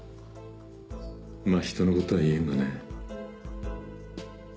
まぁ人のことは言えんがね。